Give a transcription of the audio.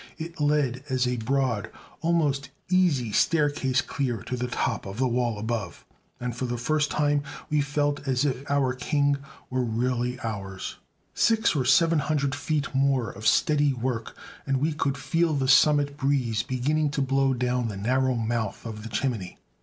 It led as a broad, almost easy, staircase clear to the top of the wall above, and for the first time we felt as if our king were really ours. Six or seven hundred feet more of steady work, and we could feel the summit breeze beginning to blow down the narrow mouth of the chimney.